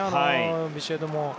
ビシエドも。